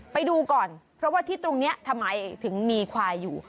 ไปดูก่อนเพราะว่าที่ตรงนี้ทำไมถึงมีควายอยู่